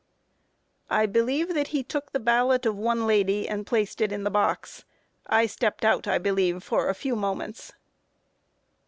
A. I believe that he took the ballot of one lady, and placed it in the box. I stepped out, I believe, for a few moments.